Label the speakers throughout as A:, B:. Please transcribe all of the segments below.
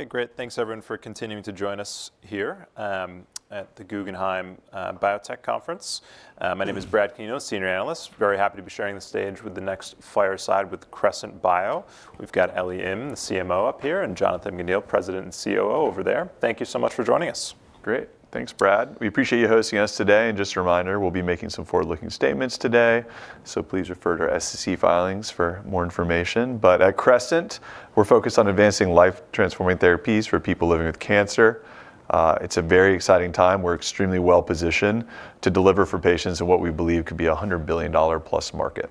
A: Okay, great. Thanks everyone for continuing to join us here at the Guggenheim Biotech Conference. My name is Brad Canino, senior analyst. Very happy to be sharing the stage with the next fireside with Crescent Biopharma. We've got Ellie Im, the CMO up here, and Jonathan McNeill, President and COO over there. Thank you so much for joining us.
B: Great. Thanks, Brad. We appreciate you hosting us today, and just a reminder, we'll be making some forward-looking statements today, so please refer to our SEC filings for more information. But at Crescent, we're focused on advancing life-transforming therapies for people living with cancer. It's a very exciting time. We're extremely well-positioned to deliver for patients in what we believe could be a $100 billion+ market.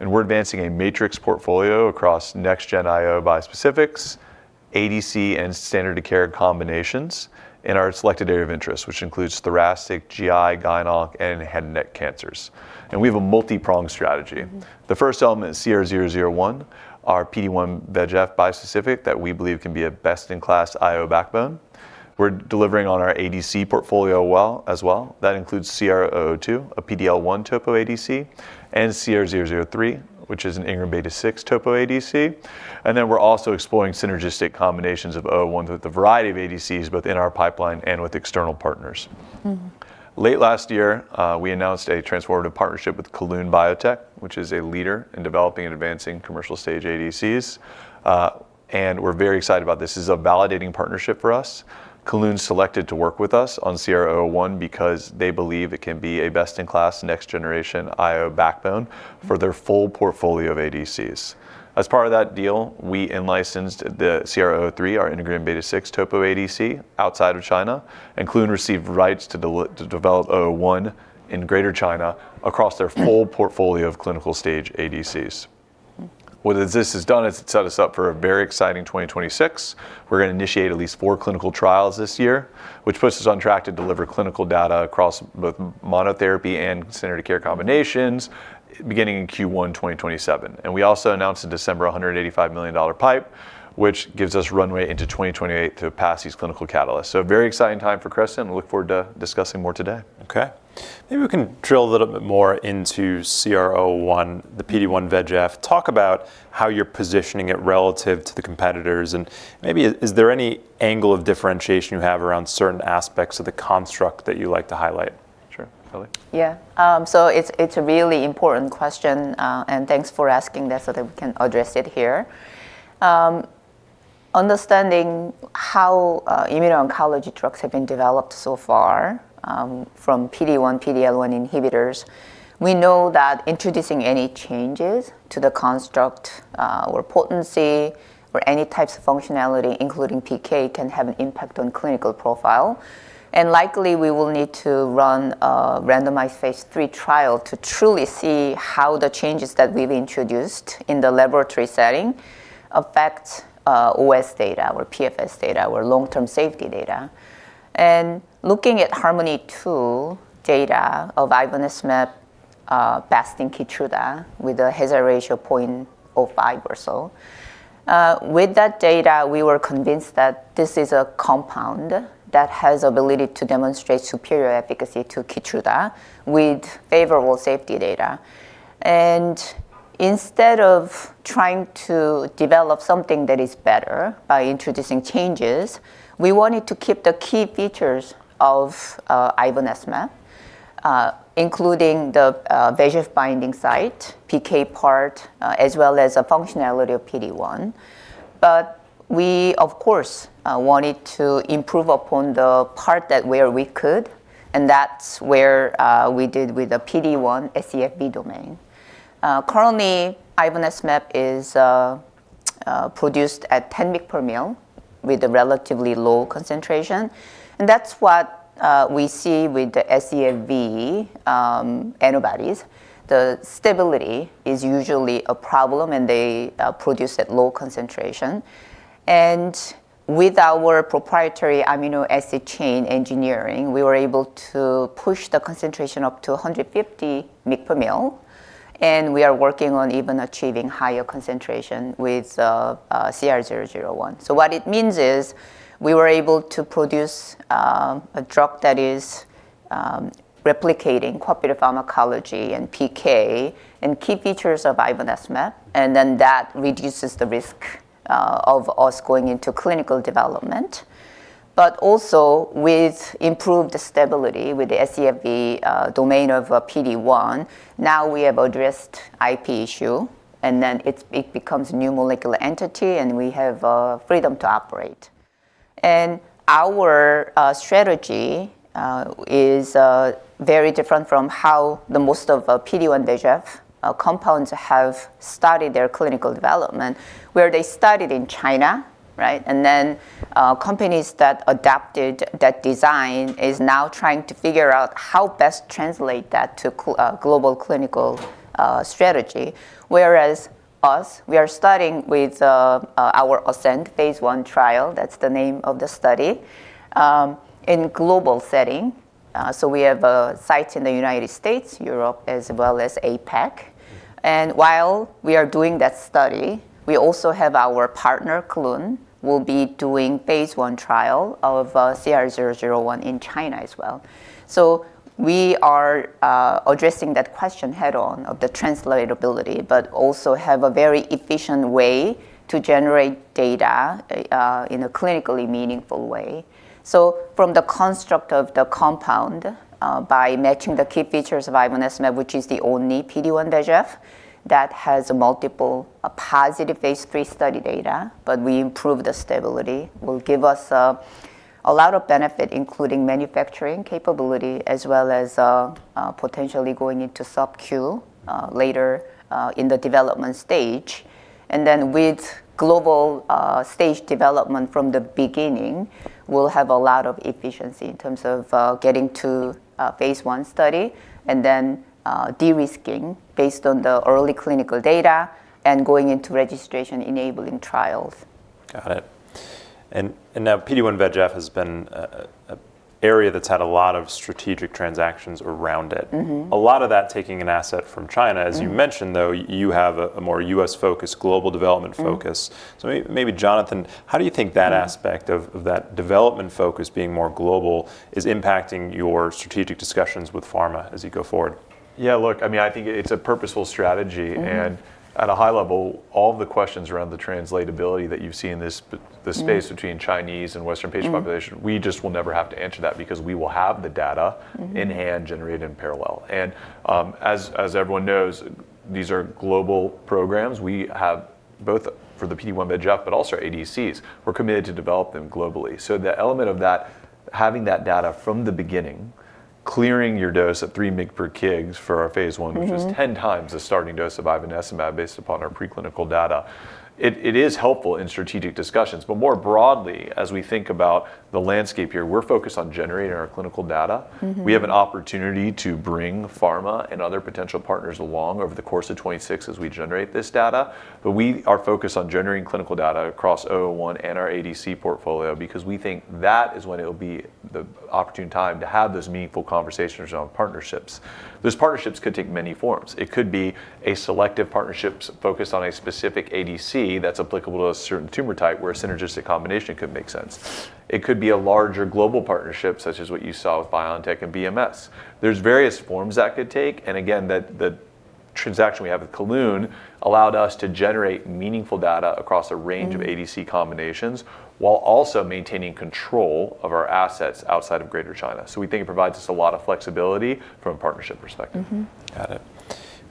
B: And we're advancing a matrix portfolio across next gen IO bispecifics, ADC, and standard of care combinations in our selected area of interest, which includes thoracic, GI, GynOnc, and head and neck cancers, and we have a multi-pronged strategy.
C: Mm-hmm.
B: The first element is CR-001, our PD-1 VEGF bispecific that we believe can be a best-in-class IO backbone. We're delivering on our ADC portfolio well, as well. That includes CR-002, a PD-L1 Topo ADC, and CR-003, which is an integrin beta-6 Topo ADC. Then we're also exploring synergistic combinations of CR-001 with a variety of ADCs, both in our pipeline and with external partners.
C: Mm-hmm.
B: Late last year, we announced a transformative partnership with Kelun-Biotech, which is a leader in developing and advancing commercial stage ADCs, and we're very excited about this. This is a validating partnership for us. Kelun-Biotech selected to work with us on CR-001 because they believe it can be a best-in-class, next-generation IO backbone for their full portfolio of ADCs. As part of that deal, we in-licensed the CR-003, our integrin beta-6 Topo ADC, outside of China, and Kelun-Biotech received rights to develop CR-001 in Greater China across their full portfolio of clinical stage ADCs.
C: Mm-hmm.
B: What this has done is set us up for a very exciting 2026. We're gonna initiate at least four clinical trials this year, which puts us on track to deliver clinical data across both monotherapy and standard of care combinations beginning in Q1 2027. And we also announced in December a $185 million PIPE, which gives us runway into 2028 to pass these clinical catalysts. So a very exciting time for Crescent, and look forward to discussing more today.
A: Okay. Maybe we can drill a little bit more into CR-001, the PD-1 VEGF. Talk about how you're positioning it relative to the competitors, and maybe is there any angle of differentiation you have around certain aspects of the construct that you'd like to highlight?
B: Sure. Ellie?
C: Yeah. So it's, it's a really important question, and thanks for asking that so that we can address it here. Understanding how, immuno-oncology drugs have been developed so far, from PD-1, PD-L1 inhibitors, we know that introducing any changes to the construct, or potency or any types of functionality, including PK, can have an impact on clinical profile. And likely, we will need to run a randomized phase III trial to truly see how the changes that we've introduced in the laboratory setting affect, OS data or PFS data or long-term safety data. And looking at HARMONi-2 data of ivonescimab, versus KEYTRUDA with a hazard ratio 0.05 or so, with that data, we were convinced that this is a compound that has ability to demonstrate superior efficacy to KEYTRUDA with favorable safety data. Instead of trying to develop something that is better by introducing changes, we wanted to keep the key features of ivonescimab, including the VEGF binding site, PK part, as well as the functionality of PD-1. But we, of course, wanted to improve upon the part that where we could, and that's where we did with the PD-1 scFv domain. Currently, ivonescimab is produced at 10 mg per ml with a relatively low concentration, and that's what we see with the scFv antibodies. The stability is usually a problem, and they produce at low concentration. And with our proprietary amino acid chain engineering, we were able to push the concentration up to 150 mg per ml, and we are working on even achieving higher concentration with CR-001. So what it means is, we were able to produce a drug that is replicating cooperative pharmacology and PK and key features of ivonescimab, and then that reduces the risk of us going into clinical development. But also with improved stability with the scFv domain of PD-1, now we have addressed IP issue, and then it becomes a new molecular entity, and we have freedom to operate. And our strategy is very different from how the most of PD-1 VEGF compounds have started their clinical development, where they started in China, right? And then companies that adapted that design is now trying to figure out how best translate that to global clinical strategy. Whereas us, we are starting with our ASCEND phase 1 trial, that's the name of the study, in global setting. So we have sites in the United States, Europe, as well as APAC. And while we are doing that study, we also have our partner, Kelun, will be doing phase 1 trial of CR-001 in China as well. So we are addressing that question head-on of the translatability, but also have a very efficient way to generate data in a clinically meaningful way. So from the construct of the compound, by matching the key features of ivonescimab, which is the only PD-1 VEGF that has multiple positive Phase III study data, but we improve the stability, will give us a lot of benefit, including manufacturing capability, as well as potentially going into sub-Q later in the development stage. And then with global stage development from the beginning, we'll have a lot of efficiency in terms of getting to phase I study and then de-risking based on the early clinical data and going into registration-enabling trials.
A: Got it. And now PD-1 VEGF has been an area that's had a lot of strategic transactions around it.
C: Mm-hmm.
A: A lot of that taking an asset from China-
C: Mm-hmm.
A: As you mentioned, though, you have a more U.S.-focused, global development focus.
C: Mm-hmm.
A: So maybe, Jonathan, how do you think that aspect of that development focus being more global is impacting your strategic discussions with pharma as you go forward?
B: Yeah, look, I mean, I think it, it's a purposeful strategy.
C: Mm-hmm.
B: And at a high level, all the questions around the translatability that you see in this sp-
C: Mm-hmm...
B: this space between Chinese and Western patient population-
C: Mm-hmm.
B: We just will never have to answer that because we will have the data.
C: Mm-hmm...
B: in hand, generated in parallel. As everyone knows, these are global programs. We have, both for the PD-1 VEGF, but also ADCs, we're committed to develop them globally. So the element of that, having that data from the beginning, clearing your dose of three mg per kg for our phase I-
C: Mm-hmm...
B: which is 10 times the starting dose of ivonescimab based upon our preclinical data, it is helpful in strategic discussions. But more broadly, as we think about the landscape here, we're focused on generating our clinical data.
C: Mm-hmm.
B: We have an opportunity to bring pharma and other potential partners along over the course of 2026 as we generate this data. But we are focused on generating clinical data across CR-001 and our ADC portfolio because we think that is when it'll be the opportune time to have those meaningful conversations on partnerships. Those partnerships could take many forms. It could be a selective partnerships focused on a specific ADC that's applicable to a certain tumor type, where a synergistic combination could make sense. It could be a larger global partnership, such as what you saw with BioNTech and BMS. There's various forms that could take, and again, that, the transaction we have with Kelun allowed us to generate meaningful data across a range-
C: Mm-hmm...
B: of ADC combinations, while also maintaining control of our assets outside of Greater China. So we think it provides us a lot of flexibility from a partnership perspective.
C: Mm-hmm.
A: Got it.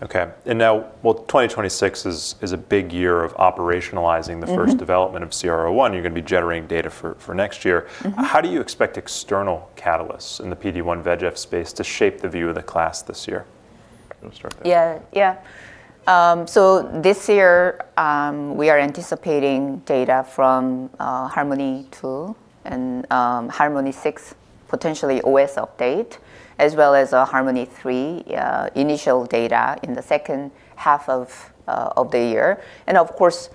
A: Okay, and now, well, 2026 is a big year of operationalizing-
C: Mm-hmm...
A: the first development of CR-001. You're going to be generating data for next year.
C: Mm-hmm.
A: How do you expect external catalysts in the PD-1 VEGF space to shape the view of the class this year? You want to start there.
C: Yeah, yeah. So this year, we are anticipating data from HARMONi-2 and HARMONi-6, potentially OS update, as well as HARMONi-3, initial data in the second half of the year. And of course,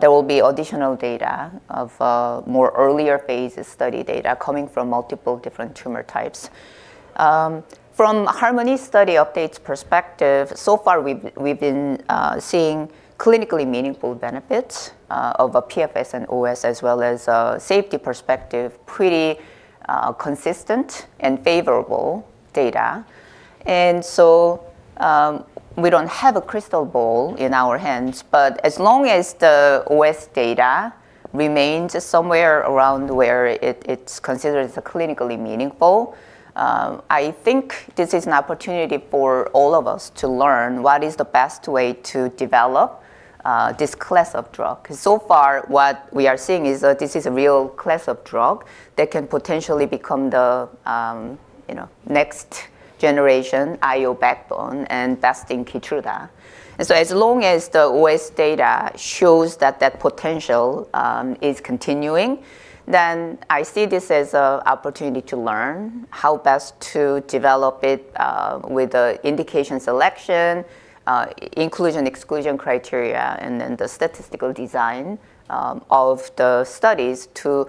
C: there will be additional data of more earlier phases study data coming from multiple different tumor types. From HARMONi study updates perspective, so far we've been seeing clinically meaningful benefits of a PFS and OS, as well as safety perspective, pretty consistent and favorable data. And so, we don't have a crystal ball in our hands, but as long as the OS data remains somewhere around where it, it's considered as clinically meaningful, I think this is an opportunity for all of us to learn what is the best way to develop this class of drug. 'Cause so far, what we are seeing is that this is a real class of drug that can potentially become the, you know, next generation IO backbone and besting KEYTRUDA. And so as long as the OS data shows that that potential is continuing, then I see this as an opportunity to learn how best to develop it with the indication selection, inclusion, exclusion criteria, and then the statistical design of the studies to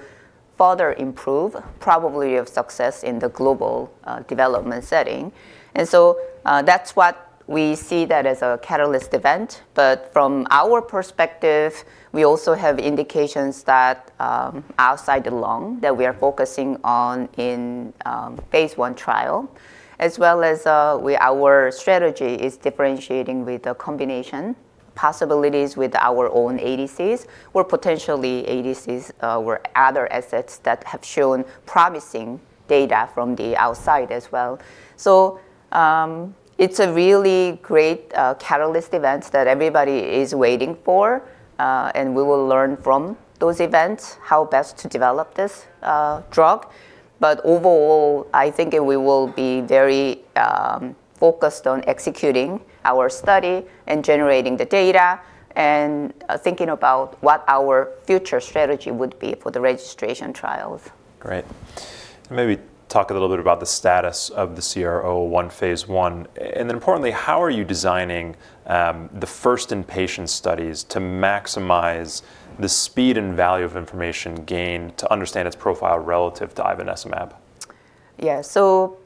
C: further improve probability of success in the global development setting. And so, that's what we see that as a catalyst event. But from our perspective, we also have indications that outside the lung that we are focusing on in phase I trial, as well as our strategy is differentiating with the combination possibilities with our own ADCs, or potentially ADCs, or other assets that have shown promising data from the outside as well. So, it's a really great catalyst events that everybody is waiting for, and we will learn from those events how best to develop this drug. But overall, I think we will be very focused on executing our study and generating the data, and thinking about what our future strategy would be for the registration trials.
A: Great. Maybe talk a little bit about the status of the CR-001, phase I, and then importantly, how are you designing the first-in-human studies to maximize the speed and value of information gained to understand its profile relative to ivonescimab?...
C: Yeah, so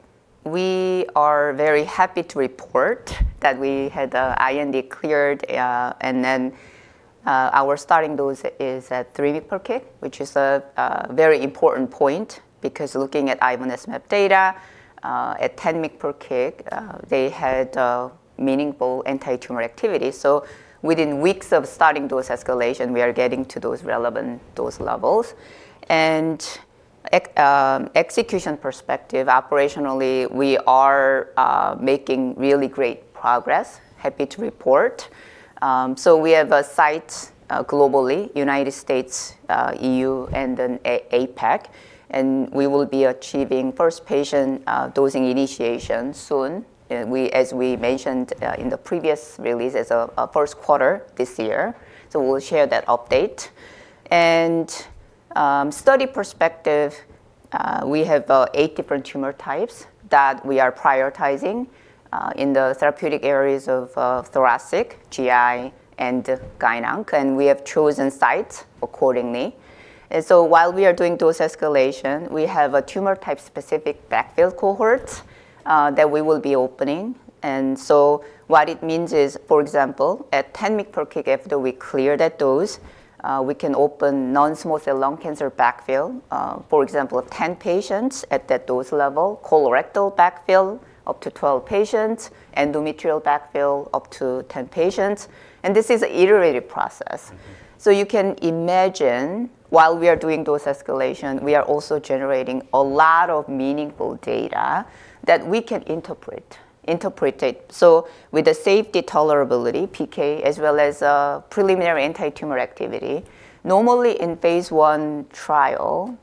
C: we are very happy to report that we had IND cleared, and then our starting dose is at three mg per kg, which is a very important point, because looking at ivonescimab data at 10 mg per kg, they had meaningful anti-tumor activity. So within weeks of starting dose escalation, we are getting to those relevant dose levels. And execution perspective, operationally, we are making really great progress. Happy to report. So we have a site globally, United States, EU, and then APAC, and we will be achieving first patient dosing initiation soon. As we mentioned in the previous release, as of first quarter this year, so we'll share that update. From a study perspective, we have eight different tumor types that we are prioritizing in the therapeutic areas of Thoracic, GI, and GynOnc, and we have chosen sites accordingly. So while we are doing dose escalation, we have a tumor type-specific backfill cohort that we will be opening. So what it means is, for example, at 10 mg per kg, after we clear that dose, we can open non-small cell lung cancer backfill, for example, 10 patients at that dose level, colorectal backfill, up to 12 patients, endometrial backfill, up to 10 patients. And this is an iterative process. So you can imagine, while we are doing dose escalation, we are also generating a lot of meaningful data that we can interpret it. So with the safety tolerability, PK, as well as, preliminary anti-tumor activity, normally, in phase I trial,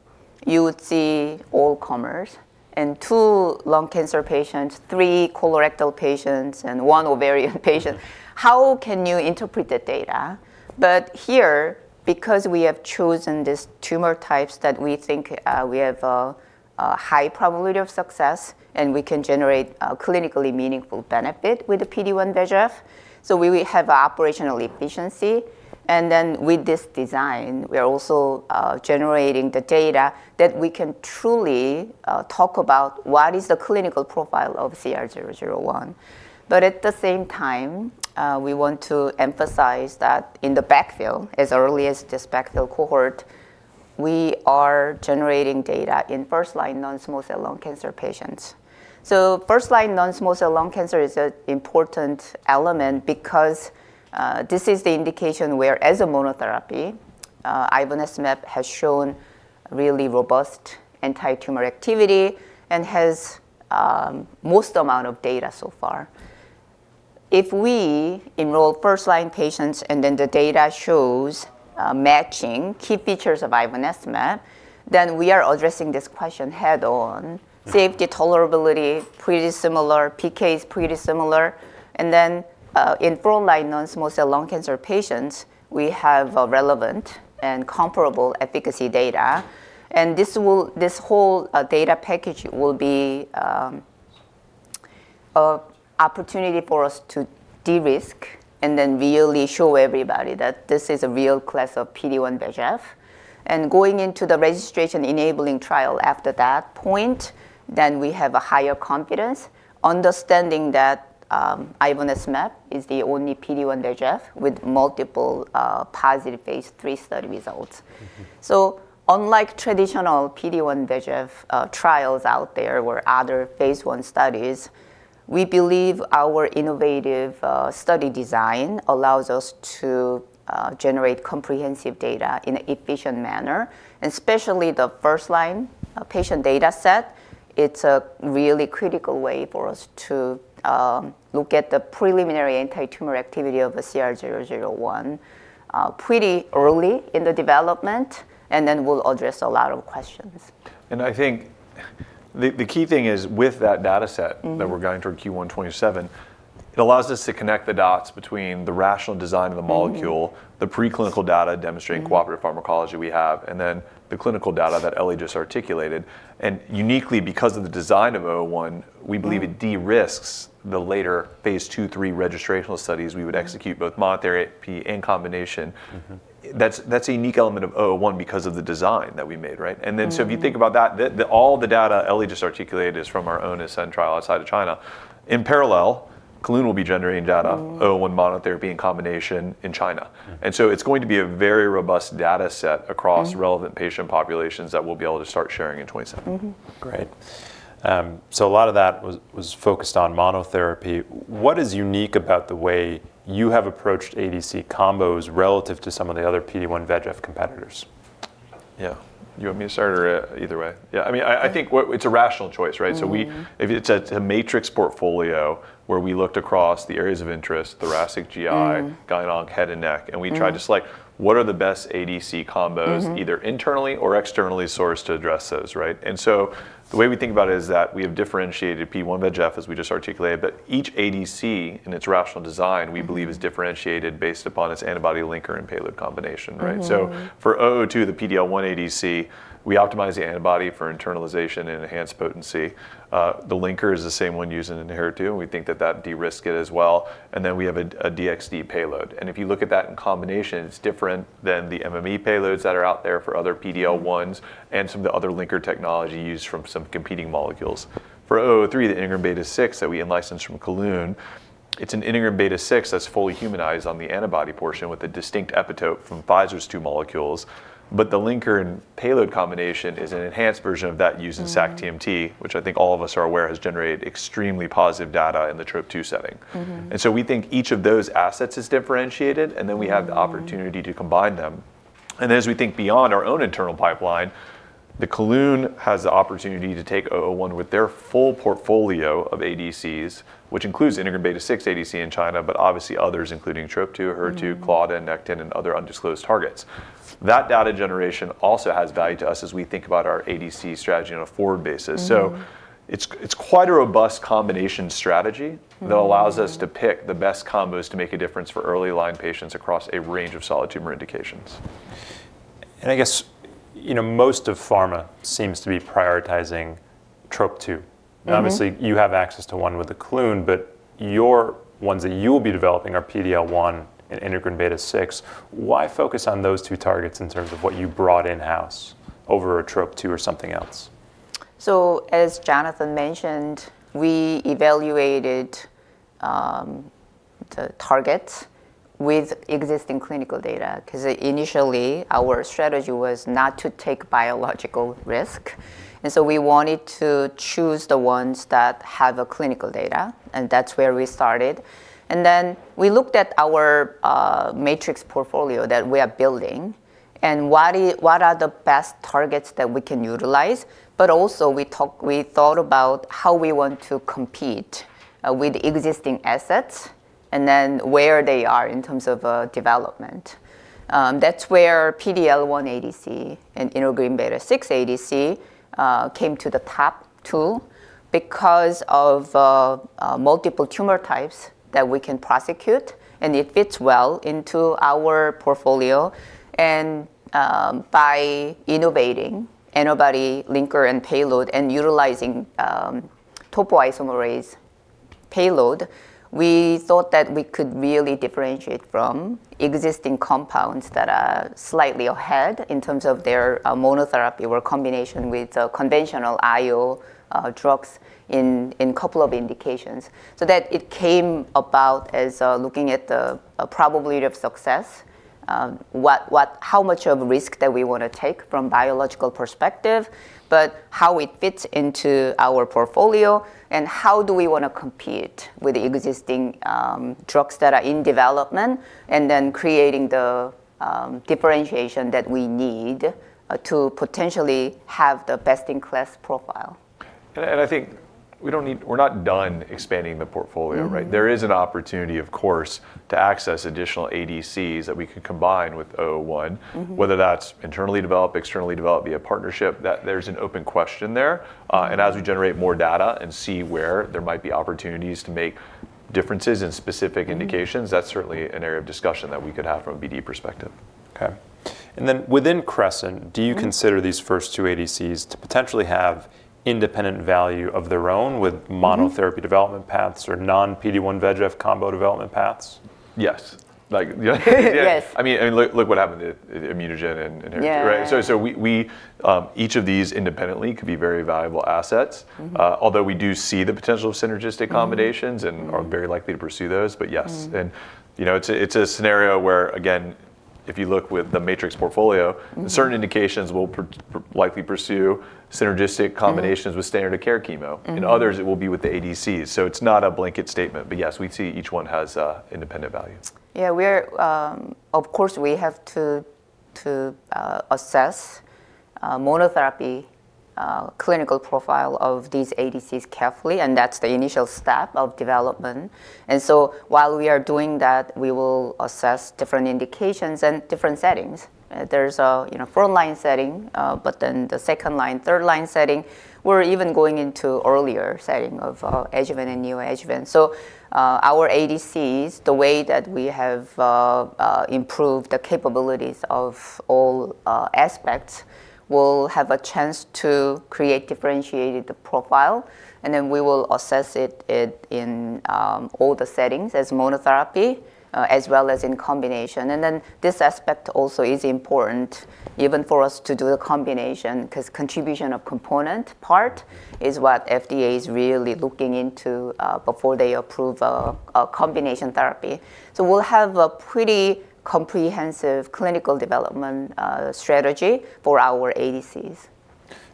C: you would see all comers and two lung cancer patients, three colorectal patients, and one ovarian patient. How can you interpret the data? But here, because we have chosen these tumor types that we think we have a high probability of success, and we can generate a clinically meaningful benefit with the PD-1 VEGF. So we will have operational efficiency, and then with this design, we are also generating the data that we can truly talk about what is the clinical profile of CR-001. But at the same time, we want to emphasize that in the backfill, as early as this backfill cohort, we are generating data in first-line non-small cell lung cancer patients. So first-line non-small cell lung cancer is an important element because, this is the indication where, as a monotherapy, ivonescimab has shown really robust anti-tumor activity and has, most amount of data so far. If we enroll first-line patients, and then the data shows, matching key features of ivonescimab, then we are addressing this question head-on. Safety tolerability, pretty similar. PK is pretty similar. And then, in first-line non-small cell lung cancer patients, we have a relevant and comparable efficacy data, and this will, this whole, data package will be, a opportunity for us to de-risk and then really show everybody that this is a real class of PD-1 VEGF. And going into the registration enabling trial after that point, then we have a higher confidence, understanding that, ivonescimab is the only PD-1 VEGF with multiple, positive phase 3 study results. So unlike traditional PD-1 VEGF trials out there, where other phase I studies, we believe our innovative study design allows us to generate comprehensive data in an efficient manner, and especially the first-line patient data set, it's a really critical way for us to look at the preliminary anti-tumor activity of the CR-001 pretty early in the development, and then we'll address a lot of questions.
B: I think the key thing is, with that data set-
C: Mm-hmm...
B: that we're going through Q1 2027, it allows us to connect the dots between the rational design of the molecule-
C: Mm-hmm...
B: the preclinical data demonstrating cooperative pharmacology we have, and then the clinical data that Ellie just articulated. Uniquely, because of the design of CR-001, we believe-
C: Mm-hmm...
B: it de-risks the later phase II, III registrational studies we would execute, both monotherapy and combination.
C: Mm-hmm.
B: That's a unique element of CR-001 because of the design that we made, right?
C: Mm-hmm.
B: If you think about that, all the data Ellie just articulated is from our own ASCEND trial outside of China. In parallel, Kelun will be generating data.
C: Mm-hmm...
B: CR-001 monotherapy in combination in China.
C: Mm-hmm.
B: And so it's going to be a very robust data set across-
C: Mm-hmm...
B: relevant patient populations that we'll be able to start sharing in 2027.
C: Mm-hmm.
A: Great. So a lot of that was focused on monotherapy. What is unique about the way you have approached ADC combos relative to some of the other PD-1 VEGF competitors?
B: Yeah. You want me to start, or either way? Yeah, I mean, I think it's a rational choice, right?
C: Mm-hmm.
B: So if it's a matrix portfolio where we looked across the areas of interest-
C: Mm-hmm...
B: Thoracic, GI-
C: Mm-hmm...
B: GynOnc, head and neck-
C: Mm-hmm...
B: and we tried to select what are the best ADC combos-
C: Mm-hmm...
B: either internally or externally sourced to address those, right? So the way we think about it is that we have differentiated PD-1 VEGF, as we just articulated, but each ADC and its rational design, we believe, is differentiated based upon its antibody linker and payload combination, right?
C: Mm-hmm.
B: So for CR-002, the PD-L1 ADC, we optimize the antibody for internalization and enhanced potency. The linker is the same one used in HER2, and we think that that de-risk it as well, and then we have a DXd payload. And if you look at that in combination, it's different than the MMAE payloads that are out there for other PD-L1s and some of the other linker technology used from some competing molecules. For CR-003, the integrin beta-6 that we in-licensed from Kelun-Biotech, it's an integrin beta-6 that's fully humanized on the antibody portion with a distinct epitope from Pfizer's two molecules, but the linker and payload combination is an enhanced version of that used in sac-TMT, which I think all of us are aware has generated extremely positive data in the Trop2 setting.
C: Mm-hmm.
B: We think each of those assets is differentiated, and then-
C: Mm...
B: we have the opportunity to combine them. And as we think beyond our own internal pipeline, the Kelun has the opportunity to take CR-001 with their full portfolio of ADCs, which includes integrin beta-6 ADC in China, but obviously others, including TROP2, HER2-
C: Mm...
B: claudin, Nectin, and other undisclosed targets. That data generation also has value to us as we think about our ADC strategy on a forward basis.
C: Mm-hmm.
B: So it's quite a robust combination strategy.
C: Mm-hmm...
B: that allows us to pick the best combos to make a difference for early line patients across a range of solid tumor indications.
A: I guess, you know, most of pharma seems to be prioritizing TROP2.
C: Mm-hmm.
A: Obviously, you have access to one with the Kelun, but your ones that you'll be developing are PDL1 and integrin beta-6. Why focus on those two targets in terms of what you brought in-house over a Trop2 or something else?
C: So as Jonathan mentioned, we evaluated the targets with existing clinical data, 'cause initially, our strategy was not to take biological risk, and so we wanted to choose the ones that have a clinical data, and that's where we started. And then we looked at our matrix portfolio that we are building and what are the best targets that we can utilize, but also, we thought about how we want to compete with existing assets, and then where they are in terms of development. That's where PDL1 ADC and integrin beta-6 ADC came to the top two because of multiple tumor types that we can prosecute, and it fits well into our portfolio. By innovating antibody, linker, and payload, and utilizing topoisomerase payload, we thought that we could really differentiate from existing compounds that are slightly ahead in terms of their monotherapy or combination with conventional IO drugs in a couple of indications. So that it came about as looking at the probability of success, how much of risk that we want to take from a biological perspective, but how it fits into our portfolio, and how do we want to compete with the existing drugs that are in development, and then creating the differentiation that we need to potentially have the best-in-class profile.
B: I think we're not done expanding the portfolio, right?
C: Mm-hmm.
B: There is an opportunity, of course, to access additional ADCs that we can combine with CR-001.
C: Mm-hmm.
B: Whether that's internally developed, externally developed, via partnership, that there's an open question there. And as we generate more data and see where there might be opportunities to make differences in specific indications-
C: Mm-hmm...
B: that's certainly an area of discussion that we could have from a BD perspective.
A: Okay. And then within Crescent-
C: Mm...
A: do you consider these first two ADCs to potentially have independent value of their own with-
C: Mm-hmm...
A: monotherapy development paths or non-PD-1/VEGF combo development paths?
B: Yes. Like, yeah.
C: Yes.
B: I mean, and look, look what happened to, with ImmunoGen and, and HER2, right?
C: Yeah.
B: So we each of these independently could be very valuable assets.
C: Mm-hmm.
B: Although we do see the potential of synergistic combinations-
C: Mm-hmm, mm-hmm...
B: and are very likely to pursue those, but yes.
C: Mm-hmm.
B: You know, it's a scenario where, again, if you look with the matrix portfolio-
C: Mm...
B: certain indications we'll likely pursue synergistic combinations.
C: Mm...
B: with standard of care chemo.
C: Mm-hmm.
B: In others, it will be with the ADCs. So it's not a blanket statement, but yes, we see each one has an independent value.
C: Yeah, we're, of course, we have to assess monotherapy clinical profile of these ADCs carefully, and that's the initial step of development. And so while we are doing that, we will assess different indications and different settings. There's, you know, front line setting, but then the second line, third line setting, we're even going into earlier setting of adjuvant and neoadjuvant. So, our ADCs, the way that we have improved the capabilities of all aspects, will have a chance to create differentiated profile, and then we will assess it in all the settings as monotherapy, as well as in combination. And then this aspect also is important even for us to do the combination, 'cause contribution of component part is what FDA is really looking into before they approve a combination therapy. So we'll have a pretty comprehensive clinical development strategy for our ADCs.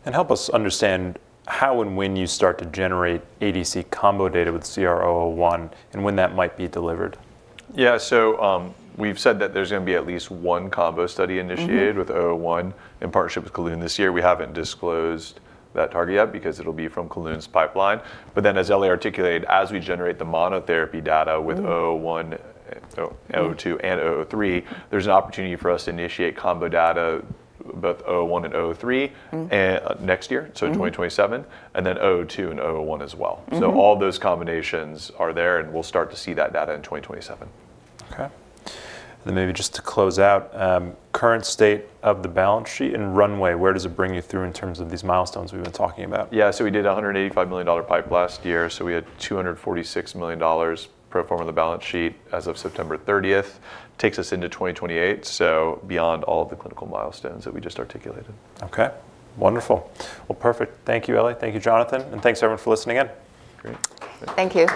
A: Help us understand how and when you start to generate ADC combo data with CR-001 and when that might be delivered?
B: Yeah. So, we've said that there's gonna be at least one combo study initiated-
C: Mm-hmm...
B: with CR-001 in partnership with Kelun this year. We haven't disclosed that target yet because it'll be from Kelun's pipeline. But then, as Ellie articulated, as we generate the monotherapy data-
C: Mm-hmm...
B: with CR-001, CR-002, and CR-003, there's an opportunity for us to initiate combo data, both CR-001 and CR-003-
C: Mm...
B: next year, so 2027-
C: Mm...
B: and then CR-002 and CR-001 as well.
C: Mm-hmm.
B: All those combinations are there, and we'll start to see that data in 2027.
A: Okay. Then maybe just to close out, current state of the balance sheet and runway, where does it bring you through in terms of these milestones we've been talking about?
B: Yeah, so we did $185 million PIPE last year, so we had $246 million pro forma on the balance sheet as of September thirtieth. Takes us into 2028, so beyond all of the clinical milestones that we just articulated.
A: Okay, wonderful. Well, perfect. Thank you, Ellie. Thank you, Jonathan, and thanks, everyone, for listening in.
B: Great.
C: Thank you.